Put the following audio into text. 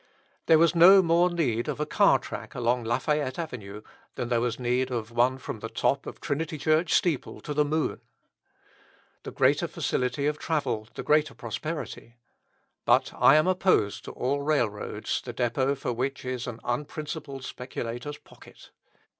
There was no more need of a car track along Lafayette avenue than there was need of one from the top of Trinity Church steeple to the moon! The greater facility of travel, the greater prosperity! But I am opposed to all railroads, the depot for which is an unprincipled speculator's pocket.